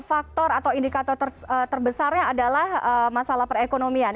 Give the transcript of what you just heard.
faktor atau indikator terbesarnya adalah masalah perekonomian